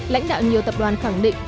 lãnh đạo nhiều tập đoàn khẳng định